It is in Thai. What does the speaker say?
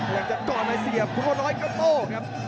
อยากจะกล่อมาเสียคุณคุณน้อยก็โตครับ